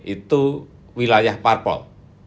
itu wilayah parpol